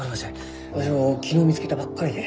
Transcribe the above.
わしも昨日見つけたばっかりで。